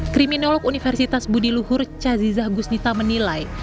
kriminolog universitas budiluhur cazizah gusnita menilai